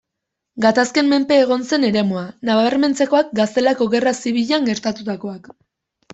Gatazken menpe egon zen eremua, nabarmentzekoak Gaztelako Gerra Zibilean gertatutakoak.